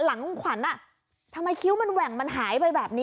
หลังขวัญทำไมคิ้วมันแหว่งมันหายไปแบบนี้